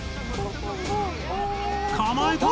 構えた。